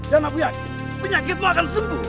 dan aku yakin penyakitmu akan sembuh